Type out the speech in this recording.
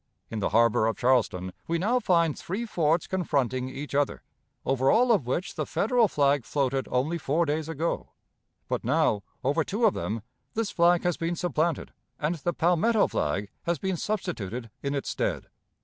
In the harbor of Charleston we now find three forts confronting each other, over all of which the Federal flag floated only four days ago; but now over two of them this flag has been supplanted, and the Palmetto flag has been substituted in its stead.